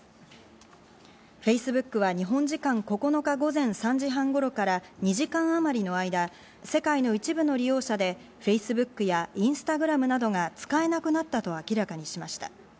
Ｆａｃｅｂｏｏｋは日本時間９日午前３時半頃から２時間あまりの間、世界の一部の利用者でＦａｃｅｂｏｏｋやＩｎｓｔａｇｒａｍなどが使えなくなったと明らかにしました。